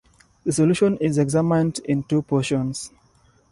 The solution is examined in two portions.